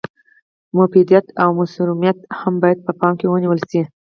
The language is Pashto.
مفیدیت او مثمریت هم باید په پام کې ونیول شي.